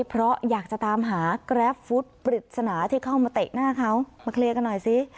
เพราะอยากจะตามหากราฟฟุตปริศนาที่เข้ามาเตะหน้าเขามาเคลียร์กันหน่อยสิ